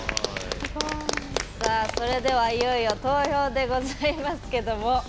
それでは、いよいよ投票でございますけども。